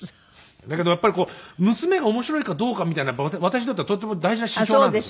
だけどやっぱりこう娘が面白いかどうかみたいな私にとってはとっても大事な指標なんですよ。